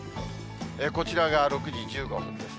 こちらが６時１５分ですね。